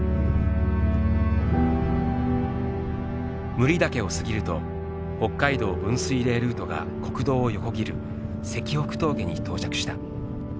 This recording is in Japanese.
武利岳を過ぎると北海道分水嶺ルートが国道を横切る石北峠に到着した。